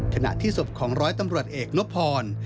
ขณะที่ศพของร้อยตำรวจเอกนพร